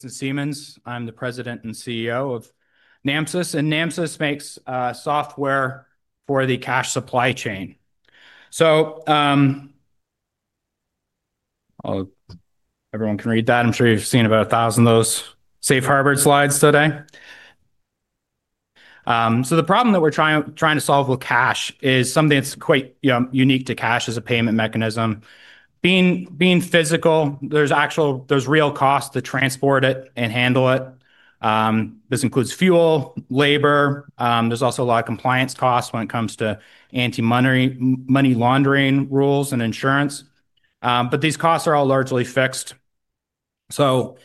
To Siemens. I'm the President and CEO of NamSys, and NamSys makes software for the cash supply chain. Everyone can read that. I'm sure you've seen about a thousand of those safe harbor slides today. The problem that we're trying to solve with cash is something that's quite unique to cash as a payment mechanism. Being physical, there's actual, there's real cost to transport it and handle it. This includes fuel and labor. There's also a lot of compliance costs when it comes to anti-money laundering rules and insurance. These costs are all largely fixed. Even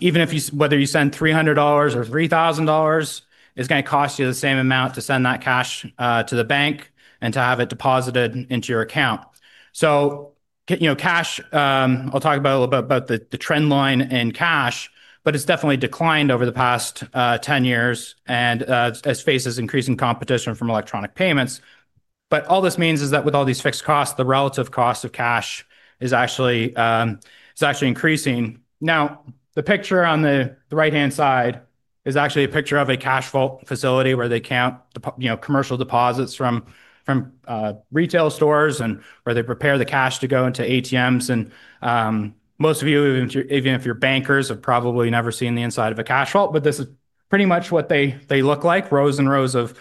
if you send $300 or $3,000, it's going to cost you the same amount to send that cash to the bank and to have it deposited into your account. Cash, I'll talk a little bit about the trend line in cash, but it's definitely declined over the past 10 years and has faced increasing competition from electronic payments. All this means is that with all these fixed costs, the relative cost of cash is actually increasing. The picture on the right-hand side is actually a picture of a cash vault facility where they count commercial deposits from retail stores and where they prepare the cash to go into ATMs. Most of you, even if you're bankers, have probably never seen the inside of a cash vault, but this is pretty much what they look like, rows and rows of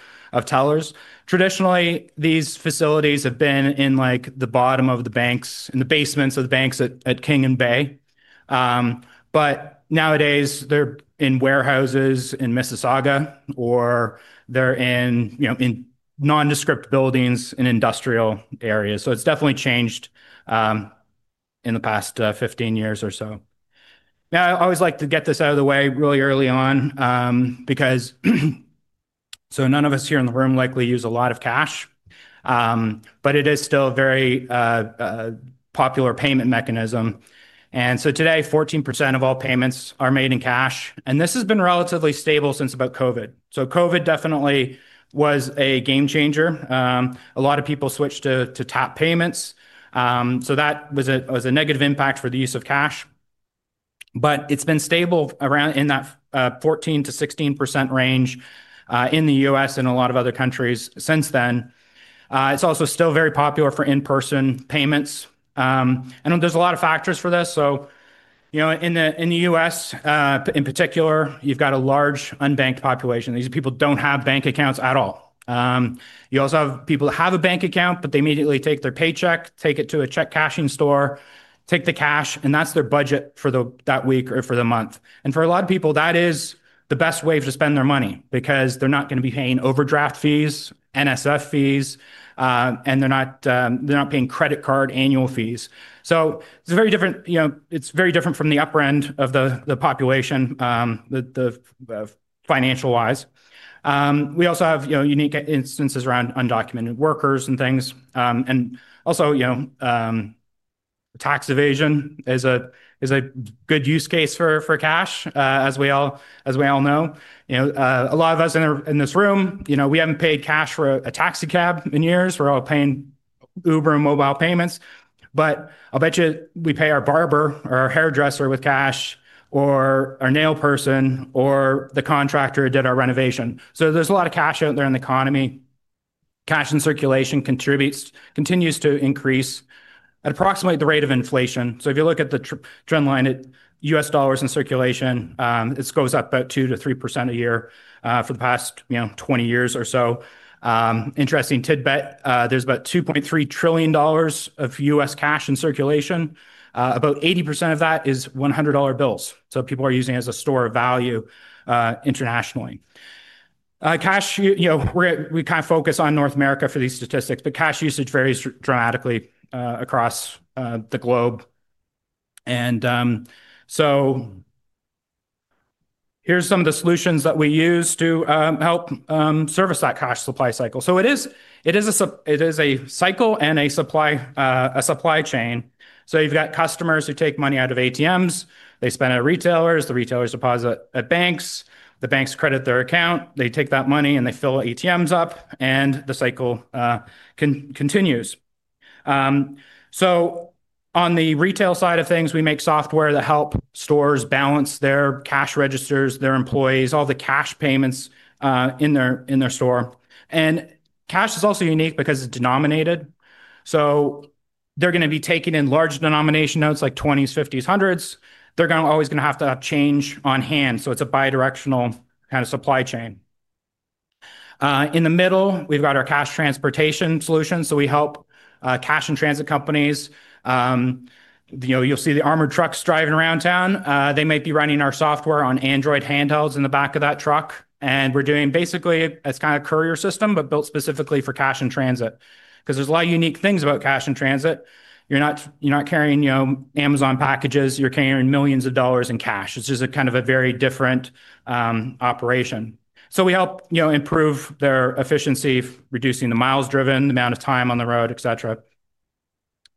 tellers. Traditionally, these facilities have been in the bottom of the banks, in the basements of the banks at King and Bay. Nowadays, they're in warehouses in Mississauga or they're in nondescript buildings in industrial areas. It's definitely changed in the past 15 years or so. I always like to get this out of the way really early on because none of us here in the room likely use a lot of cash, but it is still a very popular payment mechanism. Today, 14% of all payments are made in cash, and this has been relatively stable since about COVID. COVID definitely was a game changer. A lot of people switched to tap payments. That was a negative impact for the use of cash. It's been stable around that 14%-16% range in the U.S. and a lot of other countries since then. It's also still very popular for in-person payments. There are a lot of factors for this. In the U.S. in particular, you've got a large unbanked population. These people don't have bank accounts at all. You also have people that have a bank account, but they immediately take their paycheck, take it to a check cashing store, take the cash, and that's their budget for that week or for the month. For a lot of people, that is the best way to spend their money because they're not going to be paying overdraft fees, NSF fees, and they're not paying credit card annual fees. It's very different, you know, it's very different from the upper end of the population, financial-wise. We also have unique instances around undocumented workers and things. Also, tax evasion is a good use case for cash, as we all know. A lot of us in this room, you know, we haven't paid cash for a taxicab in years. We're all paying Uber and mobile payments. I bet you we pay our barber or our hairdresser with cash or our nail person or the contractor who did our renovation. There's a lot of cash out there in the economy. Cash in circulation continues to increase at approximately the rate of inflation. If you look at the trend line at U.S. dollars in circulation, it goes up about 2%-3% a year for the past 20 years or so. Interesting tidbit, there's about $2.3 trillion of U.S. cash in circulation. About 80% of that is $100 bills. People are using it as a store of value internationally. Cash, you know, we kind of focus on North America for these statistics, but cash usage varies dramatically across the globe. Here are some of the solutions that we use to help service that cash supply cycle. It is a cycle and a supply chain. You've got customers who take money out of ATMs. They spend it at retailers. The retailers deposit at banks. The banks credit their account. They take that money and they fill ATMs up, and the cycle continues. On the retail side of things, we make software that helps stores balance their cash registers, their employees, all the cash payments in their store. Cash is also unique because it's denominated. They're going to be taking in large denomination notes like 20s, 50s, 100s. They're always going to have to have change on hand. It's a bidirectional kind of supply chain. In the middle, we've got our cash transportation solution. We help cash-in-transit companies. You'll see the armored trucks driving around town. They might be running our software on Android handhelds in the back of that truck. We're doing basically, it's kind of a courier system, but built specifically for cash-in-transit. Because there's a lot of unique things about cash-in-transit. You're not carrying Amazon packages. You're carrying millions of dollars in cash. It's just kind of a very different operation. We help improve their efficiency, reducing the miles driven, the amount of time on the road, etc.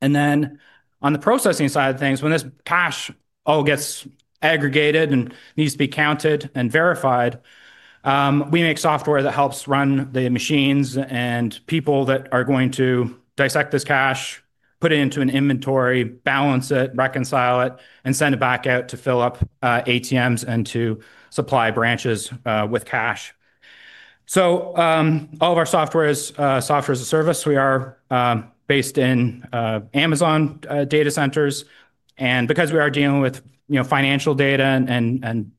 On the processing side of things, when this cash all gets aggregated and needs to be counted and verified, we make software that helps run the machines and people that are going to dissect this cash, put it into an inventory, balance it, reconcile it, and send it back out to fill up ATMs and to supply branches with cash. All of our software is software-as-a-service. We are based in Amazon data centers. Because we are dealing with financial data and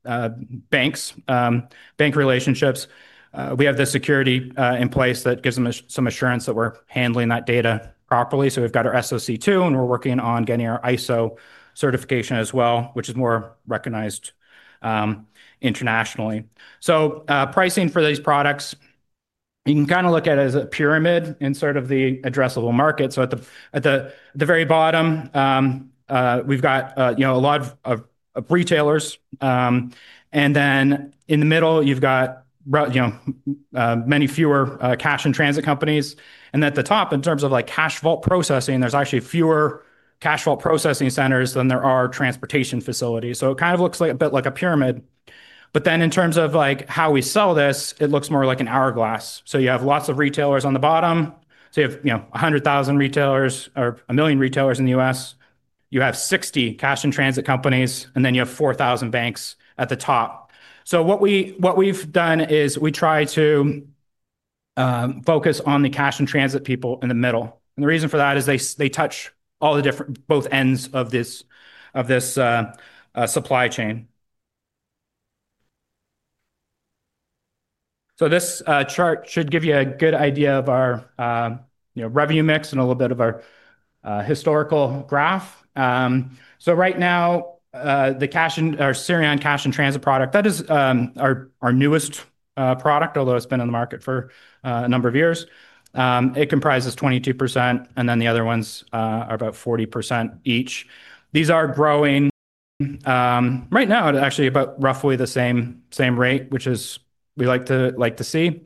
banks, bank relationships, we have the security in place that gives them some assurance that we're handling that data properly. We've got our SOC 2, and we're working on getting our ISO certification as well, which is more recognized internationally. Pricing for these products, you can kind of look at it as a pyramid in sort of the addressable market. At the very bottom, we've got a lot of retailers. In the middle, you've got many fewer cash-in-transit companies. At the top, in terms of cash vault processing, there's actually fewer cash vault processing centers than there are transportation facilities. It kind of looks a bit like a pyramid. In terms of how we sell this, it looks more like an hourglass. You have lots of retailers on the bottom. You have 100,000 retailers or a million retailers in the U.S. You have 60 cash-in-transit companies, and then you have 4,000 banks at the top. What we've done is we try to focus on the cash-in-transit people in the middle. The reason for that is they touch all the different ends of this supply chain. This chart should give you a good idea of our revenue mix and a little bit of our historical graph. Right now, the cash and our Cash-in-Transit product, that is our newest product, although it's been in the market for a number of years. It comprises 22%, and then the other ones are about 40% each. These are growing. Right now, it's actually about roughly the same rate, which we like to see.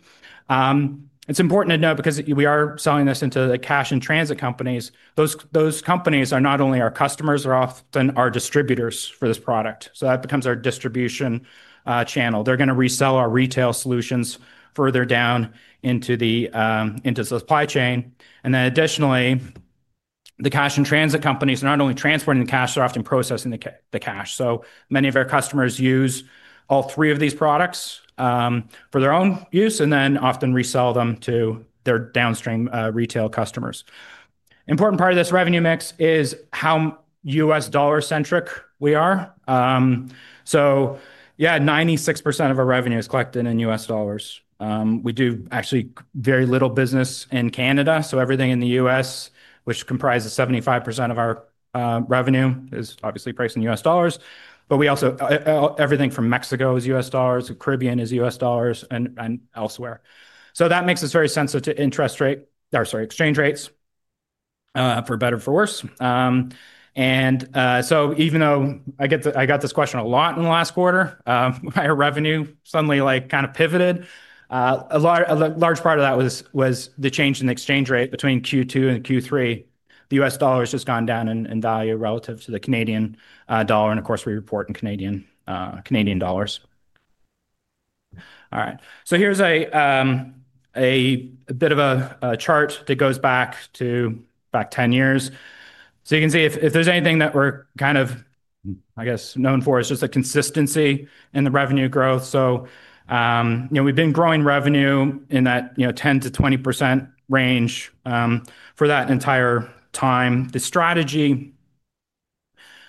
It's important to know because we are selling this into the cash-in-transit companies. Those companies are not only our customers, they're often our distributors for this product. That becomes our distribution channel. They're going to resell our retail solutions further down into the supply chain. Additionally, the cash-in-transit companies are not only transporting the cash, they're often processing the cash. Many of our customers use all three of these products for their own use and then often resell them to their downstream retail customers. An important part of this revenue mix is how U.S. dollar-centric we are. 96% of our revenue is collected in U.S. dollars. We do actually very little business in Canada. Everything in the U.S., which comprises 75% of our revenue, is obviously priced in U.S. dollars. Everything from Mexico is U.S. dollars, the Caribbean is U.S. dollars, and elsewhere. That makes us very sensitive to exchange rates, for better or for worse. Even though I got this question a lot in the last quarter, our revenue suddenly kind of pivoted. A large part of that was the change in the exchange rate between Q2 and Q3. The U.S. dollar has just gone down in value relative to the Canadian dollar. Of course, we report in Canadian dollars. Here's a bit of a chart that goes back 10 years. If there's anything that we're kind of known for, it's just a consistency in the revenue growth. We've been growing revenue in that 10%-20% range for that entire time. The strategy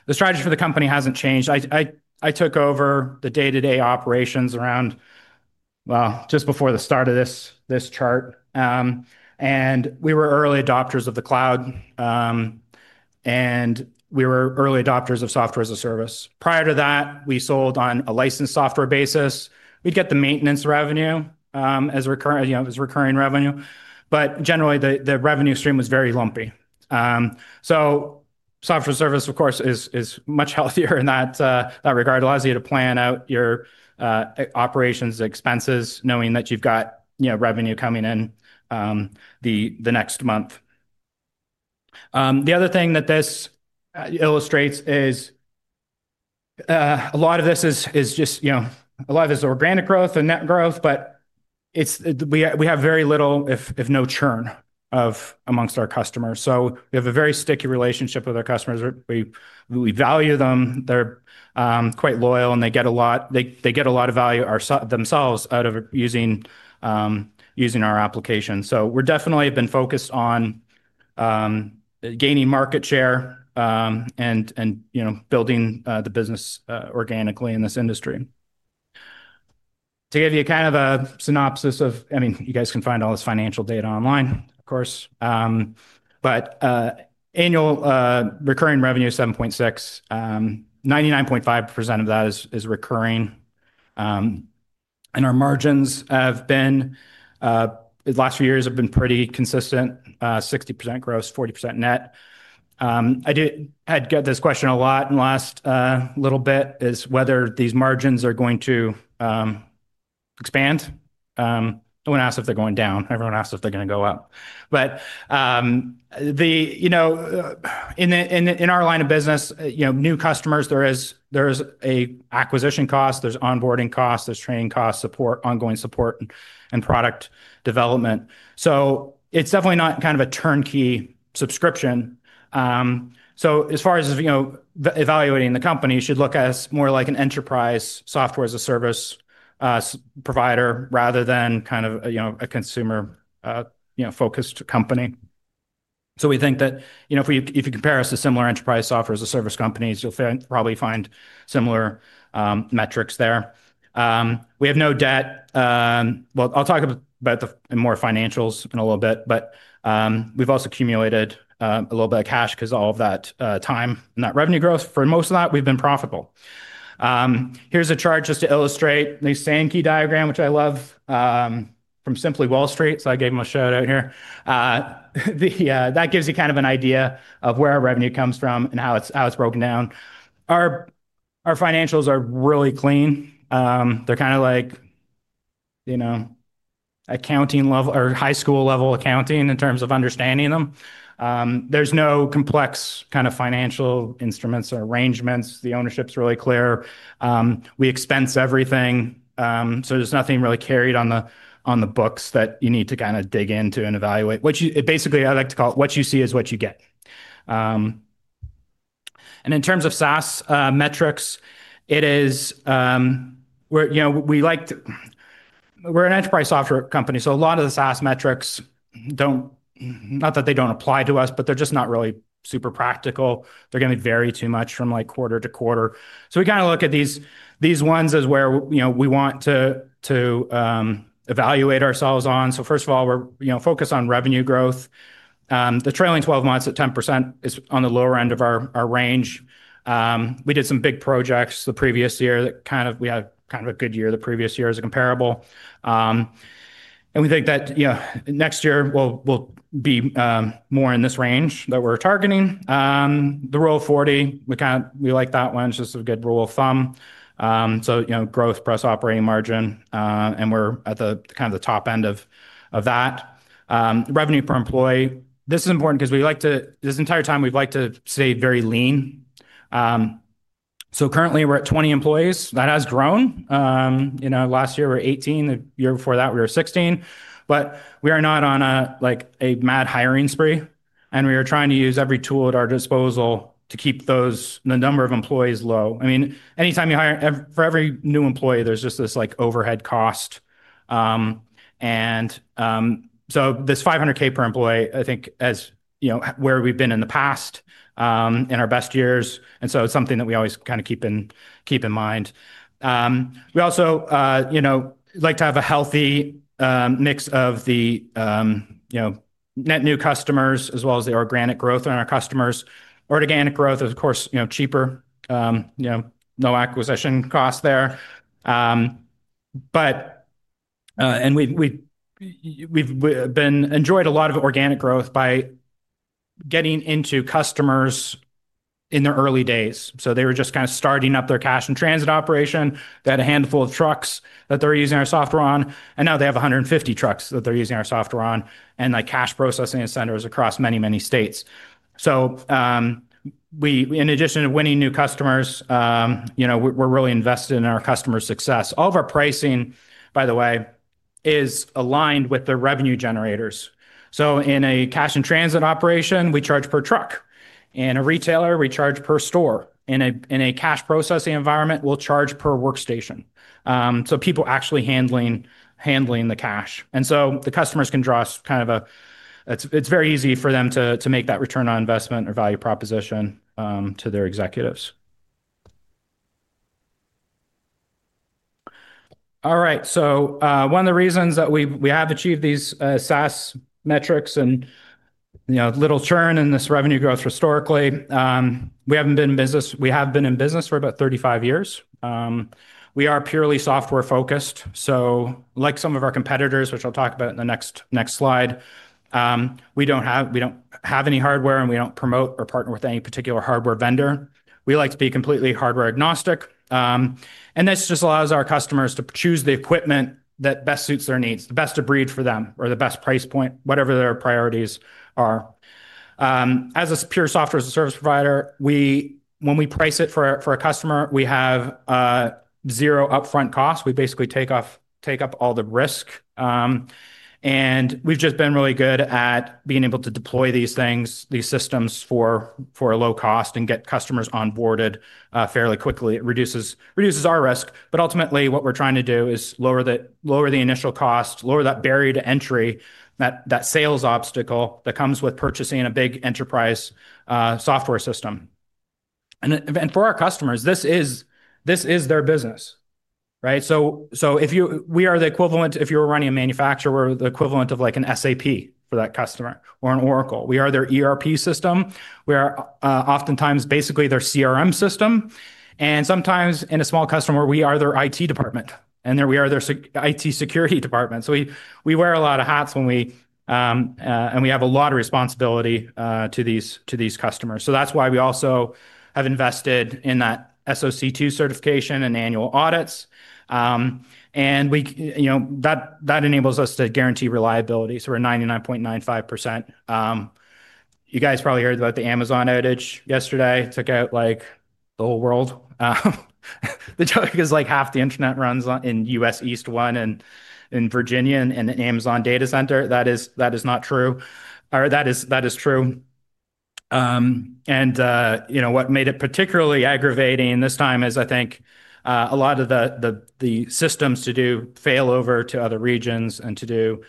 for the company hasn't changed. I took over the day-to-day operations just before the start of this chart. We were early adopters of the cloud, and we were early adopters of software-as-a-service. Prior to that, we sold on a licensed software basis. We'd get the maintenance revenue as recurring revenue, but generally, the revenue stream was very lumpy. Software-as-a-service, of course, is much healthier in that regard. It allows you to plan out your operations expenses, knowing that you've got revenue coming in the next month. The other thing that this illustrates is a lot of this is just organic growth and net growth. We have very little, if no churn, amongst our customers. We have a very sticky relationship with our customers. We value them. They're quite loyal, and they get a lot of value themselves out of using our application. We're definitely focused on gaining market share and building the business organically in this industry. To give you kind of a synopsis of, I mean, you guys can find all this financial data online, of course. Annual recurring revenue is 7.6. 99.5% of that is recurring. Our margins have been, the last few years have been pretty consistent, 60% gross, 40% net. I had this question a lot in the last little bit, whether these margins are going to expand. No one asks if they're going down. Everyone asks if they're going to go up. In our line of business, new customers, there is an acquisition cost, there's onboarding cost, there's training cost, support, ongoing support, and product development. It is definitely not kind of a turnkey subscription. As far as evaluating the company, you should look at us more like an enterprise software-as-a-service provider rather than kind of a consumer-focused company. We think that if you compare us to similar enterprise software-as-a-service companies, you'll probably find similar metrics there. We have no debt. I'll talk about more financials in a little bit, but we've also accumulated a little bit of cash because all of that time and that revenue growth, for most of that, we've been profitable. Here's a chart just to illustrate the Sankey diagram, which I love from Simply Wall Street. I gave him a shout out here. That gives you kind of an idea of where our revenue comes from and how it's broken down. Our financials are really clean. They're kind of like accounting level or high school level accounting in terms of understanding them. There's no complex kind of financial instruments or arrangements. The ownership's really clear. We expense everything. There's nothing really carried on the books that you need to kind of dig into and evaluate. Basically, I like to call it what you see is what you get. In terms of SaaS metrics, it is, we're an enterprise software company, so a lot of the SaaS metrics don't, not that they don't apply to us, but they're just not really super practical. They're going to vary too much from quarter to quarter. We kind of look at these ones as where we want to evaluate ourselves on. First of all, we're focused on revenue growth. The trailing 12 months at 10% is on the lower end of our range. We did some big projects the previous year that kind of, we had kind of a good year the previous year as a comparable. We think that next year we'll be more in this range that we're targeting. The rule of 40, we like that one. It's just a good rule of thumb. Growth plus operating margin, and we're at the kind of the top end of that. Revenue per employee, this is important because we like to, this entire time we've liked to stay very lean. Currently we're at 20 employees. That has grown. Last year we were 18. The year before that we were 16. We are not on a mad hiring spree, and we are trying to use every tool at our disposal to keep the number of employees low. Anytime you hire, for every new employee, there's just this overhead cost. This 500,000 per employee, I think, is where we've been in the past in our best years. It's something that we always kind of keep in mind. We also like to have a healthy mix of the net new customers as well as the organic growth in our customers. Organic growth is, of course, cheaper. No acquisition cost there. We've enjoyed a lot of organic growth by getting into customers in their early days. They were just kind of starting up their cash-in-transit operation. They had a handful of trucks that they're using our software on. Now they have 150 trucks that they're using our software on and cash processing centers across many, many states. In addition to winning new customers, we're really invested in our customer success. All of our pricing, by the way, is aligned with the revenue generators. In a cash-in-transit operation, we charge per truck. In a retailer, we charge per store. In a cash processing environment, we'll charge per workstation, so people actually handling the cash. The customers can draw kind of a, it's very easy for them to make that return on investment or value proposition to their executives. One of the reasons that we have achieved these SaaS metrics and little churn in this revenue growth historically, we have been in business for about 35 years. We are purely software focused. Like some of our competitors, which I'll talk about in the next slide, we don't have any hardware and we don't promote or partner with any particular hardware vendor. We like to be completely hardware agnostic. This just allows our customers to choose the equipment that best suits their needs, the best of breed for them, or the best price point, whatever their priorities are. As a pure software-as-a-service provider, when we price it for a customer, we have zero upfront cost. We basically take up all the risk. We have just been really good at being able to deploy these things, these systems for a low cost and get customers onboarded fairly quickly. It reduces our risk. Ultimately, what we are trying to do is lower the initial cost, lower that barrier to entry, that sales obstacle that comes with purchasing a big enterprise software system. For our customers, this is their business. Right? We are the equivalent, if you were running a manufacturer, of like an SAP for that customer or an Oracle. We are their ERP system. We are oftentimes basically their CRM system. Sometimes in a small customer, we are their IT department. We are their IT security department. We wear a lot of hats and we have a lot of responsibility to these customers. That is why we also have invested in that SOC 2 certification and annual audits. That enables us to guarantee reliability. We are 99.95%. You guys probably heard about the Amazon outage yesterday. It took out the whole world. The joke is half the internet runs in the US East 1 and in Virginia in the Amazon data center. That is true. What made it particularly aggravating this time is I think a lot of the systems to do failover to other regions and to do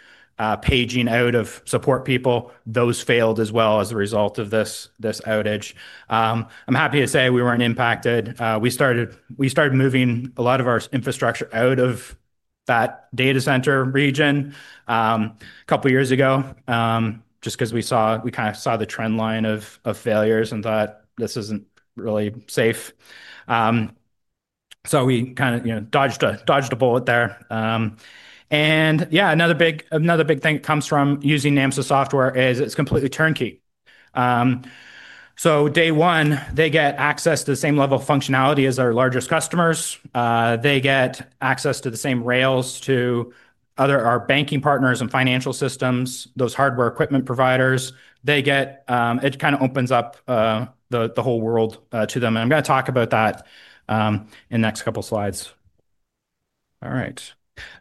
paging out of support people, those failed as well as a result of this outage. I am happy to say we were not impacted. We started moving a lot of our infrastructure out of that data center region a couple of years ago because we saw, we kind of saw the trend line of failures and thought this is not really safe. We kind of dodged a bullet there. Another big thing that comes from using NamSys software is it is completely turnkey. Day one, they get access to the same level of functionality as our largest customers. They get access to the same rails to our banking partners and financial systems, those hardware equipment providers. It kind of opens up the whole world to them. I am going to talk about that in the next couple of slides.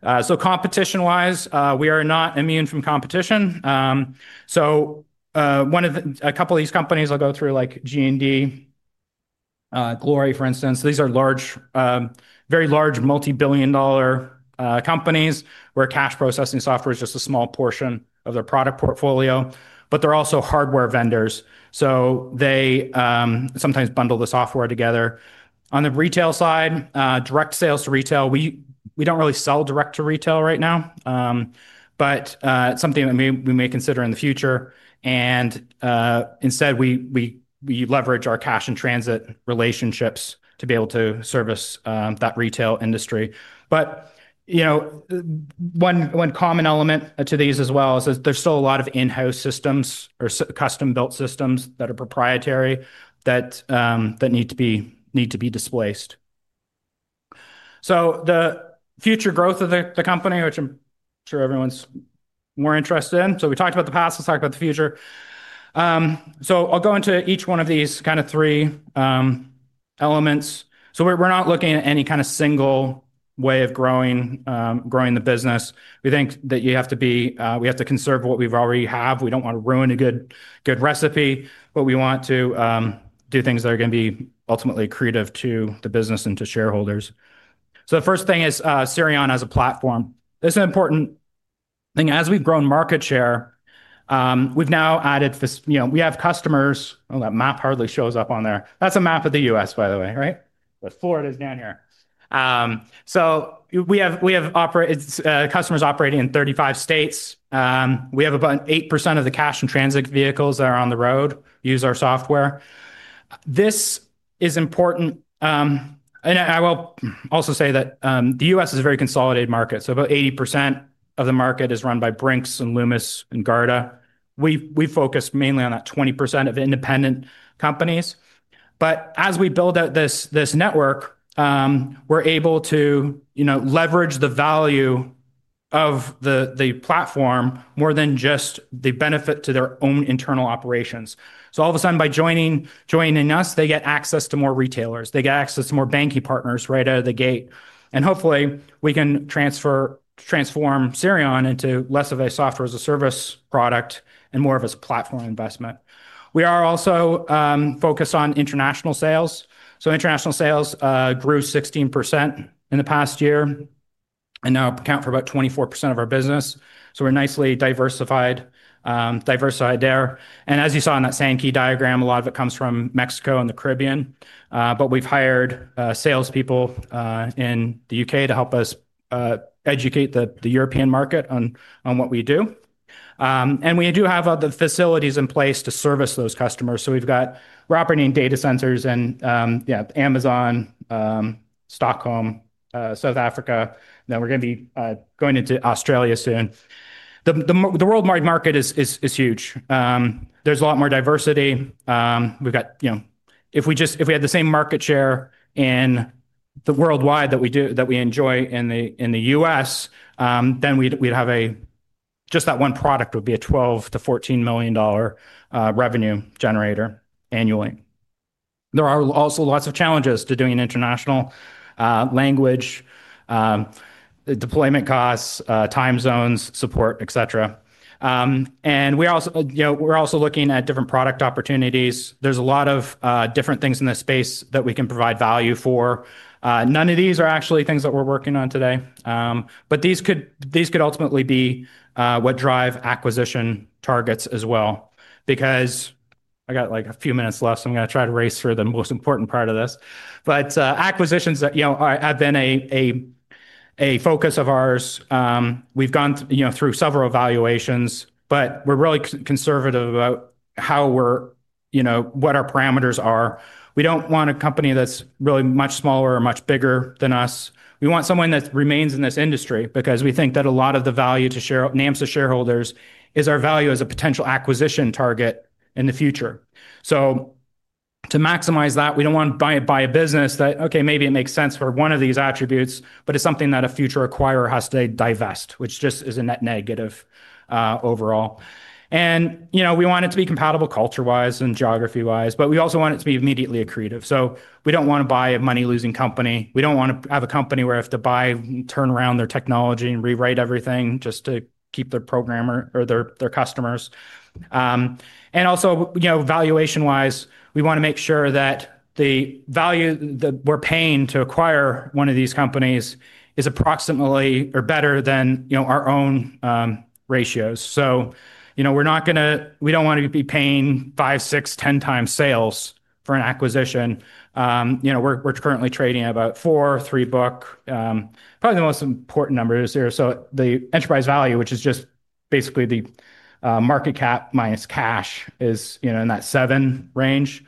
Competition-wise, we are not immune from competition. A couple of these companies I will go through, like G&D, Glory, for instance. These are very large multi-billion dollar companies where cash processing software is just a small portion of their product portfolio. They are also hardware vendors. They sometimes bundle the software together. On the retail side, direct sales to retail, we don't really sell direct to retail right now. It's something that we may consider in the future. Instead, we leverage our cash-in-transit relationships to be able to service that retail industry. One common element to these as well is that there's still a lot of in-house systems or custom-built systems that are proprietary that need to be displaced. The future growth of the company, which I'm sure everyone's more interested in. We talked about the past. Let's talk about the future. I'll go into each one of these kind of three elements. We're not looking at any kind of single way of growing the business. We think that you have to be, we have to conserve what we already have. We don't want to ruin a good recipe, but we want to do things that are going to be ultimately accretive to the business and to shareholders. The first thing is [Citroën] as a platform this is an important thing as we've grown market share, we've now added, you know, we have customers. Oh, that map hardly shows up on there. That's a map of the U.S., by the way, right? Florida is down here. We have customers operating in 35 states. We have about 8% of the cash-in-transit vehicles that are on the road use our software. This is important. I will also say that the U.S. is a very consolidated market. About 80% of the market is run by Brinks, Loomis, and Garda. We focus mainly on that 20% of independent companies. As we build out this network, we're able to leverage the value of the platform more than just the benefit to their own internal operations. All of a sudden, by joining us, they get access to more retailers. They get access to more banking partners right out of the gate. Hopefully, we can transform Citroën] into less of a software-as-a-service product and more of a platform investment. We are also focused on international sales. International sales grew 16% in the past year. Now, we account for about 24% of our business. We're nicely diversified there. As you saw in that Sankey diagram, a lot of it comes from Mexico and the Caribbean. We've hired salespeople in the U.K. to help us educate the European market on what we do. We do have other facilities in place to service those customers. We're operating in data centers in Amazon, Stockholm, South Africa. We're going to be going into Australia soon. The worldwide market is huge. There's a lot more diversity. We've got, you know, if we had the same market share worldwide that we enjoy in the U.S., then we'd have a, just that one product would be a $12 million-$14 million revenue generator annually. There are also lots of challenges to doing an international language, deployment costs, time zones, support, etc. We're also looking at different product opportunities. There's a lot of different things in this space that we can provide value for. None of these are actually things that we're working on today. These could ultimately be what drive acquisition targets as well. Because I got like a few minutes left, I'm going to try to race through the most important part of this. Acquisitions have been a focus of ours. We've gone through several evaluations, but we're really conservative about how we're, you know, what our parameters are. We don't want a company that's really much smaller or much bigger than us. We want someone that remains in this industry because we think that a lot of the value to NamSys shareholders is our value as a potential acquisition target in the future. To maximize that, we don't want to buy a business that, okay, maybe it makes sense for one of these attributes, but it's something that a future acquirer has to divest, which just is a net negative overall. We want it to be compatible culture-wise and geography-wise, but we also want it to be immediately accretive. We don't want to buy a money-losing company. We don't want to have a company where if they buy, turn around their technology and rewrite everything just to keep their programmer or their customers. Also, valuation-wise, we want to make sure that the value that we're paying to acquire one of these companies is approximately or better than, you know, our own ratios. We're not going to, we don't want to be paying five, six, ten times sales for an acquisition. We're currently trading at about four, three book, probably the most important number is here. The enterprise value, which is just basically the market cap minus cash, is, you know, in that seven range.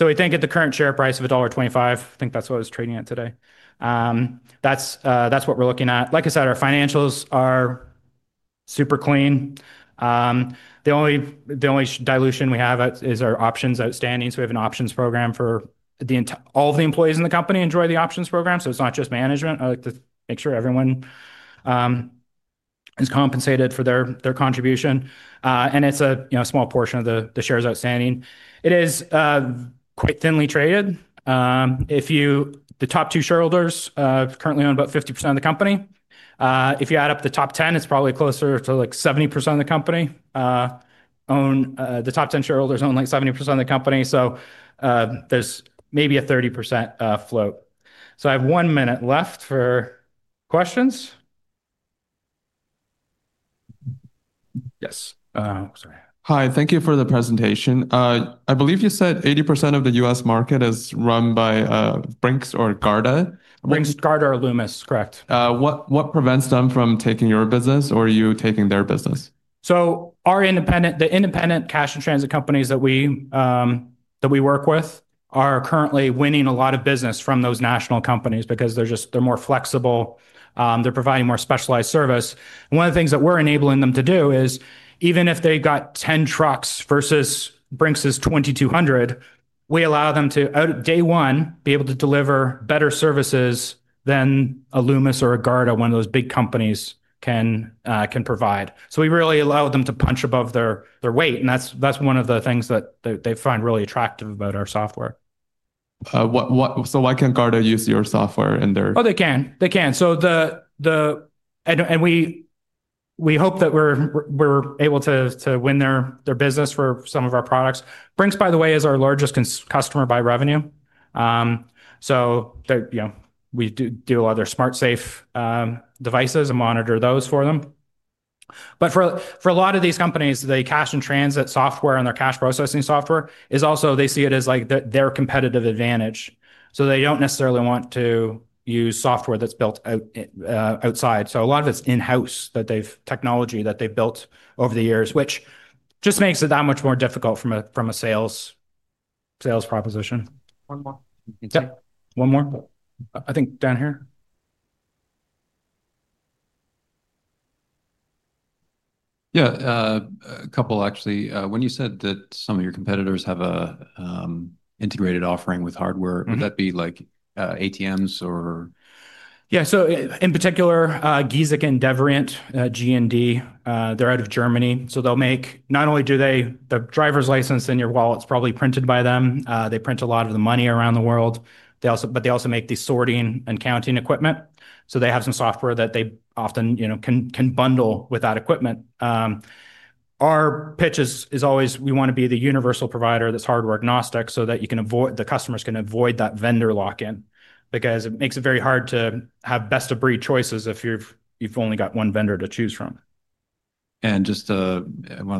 We think at the current share price of $1.25, I think that's what I was trading at today. That's what we're looking at. Like I said, our financials are super clean. The only dilution we have is our options outstanding. We have an options program for all of the employees in the company enjoy the options program. It's not just management. I like to make sure everyone is compensated for their contribution. It's a small portion of the shares outstanding. It is quite thinly traded. The top two shareholders currently own about 50% of the company. If you add up the top 10, it's probably closer to 70% of the company. The top 10 shareholders own 70% of the company. There's maybe a 30% float. I have one minute left for questions. Yes. Hi, thank you for the presentation. I believe you said 80% of the U.S. market is run by Brinks or Garda. Brinks, Garda, or Loomis, correct. What prevents them from taking your business or you taking their business? The independent cash-in-transit companies that we work with are currently winning a lot of business from those national companies because they're just more flexible. They're providing more specialized service. One of the things that we're enabling them to do is even if they have 10 trucks versus Brinks's 2,200, we allow them to, out of day one, be able to deliver better services than a Loomis or a Garda, one of those big companies can provide. We really allow them to punch above their weight. That's one of the things that they find really attractive about our software. Why can't Garda use your software in their? They can. They can. We hope that we're able to win their business for some of our products. Brinks, by the way, is our largest customer by revenue. We do a lot of their SmartSafe devices and monitor those for them. For a lot of these companies, the cash-in-transit software and their cash processing software is also, they see it as like their competitive advantage. They don't necessarily want to use software that's built outside. A lot of it's in-house technology that they've built over the years, which just makes it that much more difficult from a sales proposition. One more. One more? I think down here. Yeah, a couple actually. When you said that some of your competitors have an integrated offering with hardware, would that be like ATMs or? Yeah, in particular, Giesecke and Devrient, G&D, they're out of Germany. They'll make, not only do they, the driver's license in your wallet's probably printed by them. They print a lot of the money around the world. They also make the sorting and counting equipment. They have some software that they often can bundle with that equipment. Our pitch is always, we want to be the universal provider that's hardware agnostic so that you can avoid, the customers can avoid that vendor lock-in because it makes it very hard to have best-of-breed choices if you've only got one vendor to choose from. You have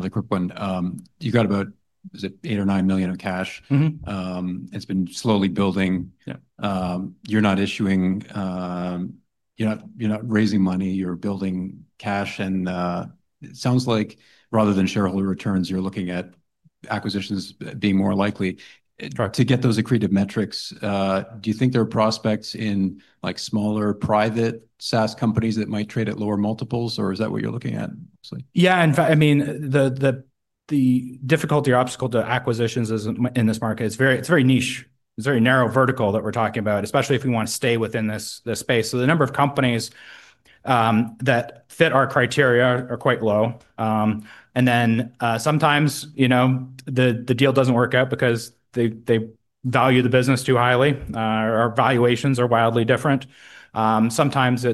about $8 million or $9 million in cash. It has been slowly building. You're not issuing, you're not raising money, you're building cash. It sounds like rather than shareholder returns, you're looking at acquisitions being more likely to get those accretive metrics. Do you think there are prospects in smaller private SaaS companies that might trade at lower multiples, or is that what you're looking at? In fact, the difficulty or obstacle to acquisitions in this market is very niche. It's a very narrow vertical that we're talking about, especially if we want to stay within this space. The number of companies that fit our criteria are quite low. Sometimes the deal doesn't work out because they value the business too highly. Our valuations are wildly different. Sometimes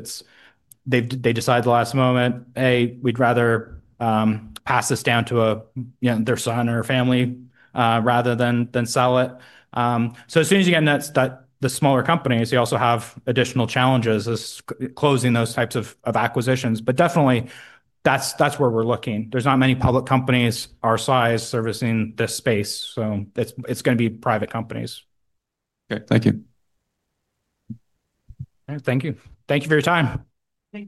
they decide at the last moment, "Hey, we'd rather pass this down to their son or family rather than sell it." As soon as you get in that, the smaller companies, you also have additional challenges as closing those types of acquisitions. Definitely, that's where we're looking. There's not many public companies our size servicing this space. It's going to be private companies. Okay, thank you. Thank you. Thank you for your time.